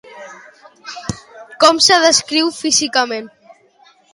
Com se'l descriu físicament?